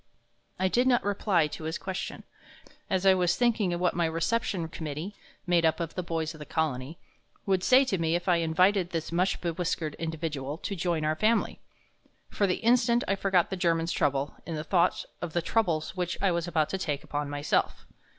'" I did not reply to his question, as I was thinking what my Reception Committee made up of the boys of the Colony would say to me if I invited this much bewhiskered individual to join our Family. For the instant I forgot the German's troubles in the thought of the troubles which I was about to take upon myself.